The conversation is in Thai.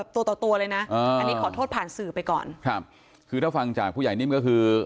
ตัวต่อตัวเลยนะอันนี้ขอโทษผ่านสื่อไปก่อนครับคือถ้าฟังจากผู้ใหญ่นิ่มก็คือ